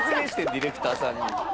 ディレクターさんに。